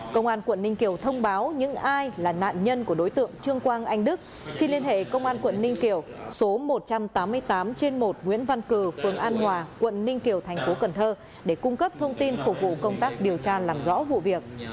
công an quận ninh kiều thông báo những ai là nạn nhân của đối tượng trương quang anh đức xin liên hệ công an quận ninh kiều số một trăm tám mươi tám trên một nguyễn văn cử phường an hòa quận ninh kiều thành phố cần thơ để cung cấp thông tin phục vụ công tác điều tra làm rõ vụ việc